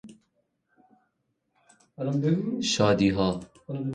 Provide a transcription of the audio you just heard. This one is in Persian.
شادیها